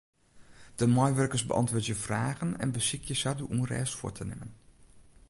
De meiwurkers beäntwurdzje fragen en besykje sa de ûnrêst fuort te nimmen.